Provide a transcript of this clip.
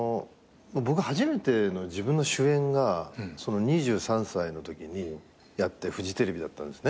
僕初めての自分の主演が２３歳のときにやってフジテレビだったんですね。